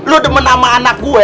lo teman sama anak gue